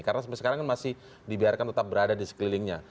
karena sampai sekarang kan masih dibiarkan tetap berada di sekelilingnya